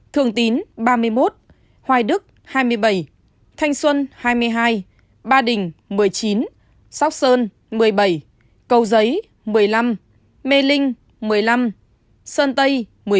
thường tín ba mươi một hoài đức hai mươi bảy thanh xuân hai mươi hai ba đình một mươi chín sóc sơn một mươi bảy cầu giấy một mươi năm mê linh một mươi năm sơn tây